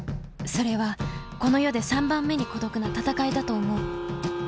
それはこの世で３番目に孤独な闘いだと思う。